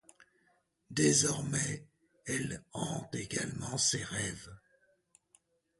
Désormais, elle hante également ses rêves.